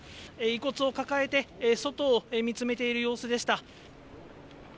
遺骨を抱えて外を見つめている様子でした。